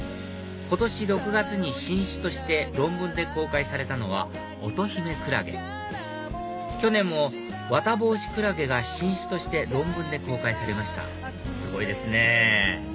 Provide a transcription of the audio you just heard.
今年６月に新種として論文で公開されたのはオトヒメクラゲ去年もワタボウシクラゲが新種として論文で公開されましたすごいですね